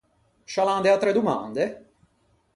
Scià l’an de atre domande?